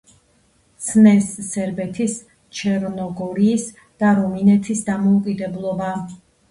ცნეს სერბეთის, ჩერნოგორიის და რუმინეთის დამოუკიდებლობა.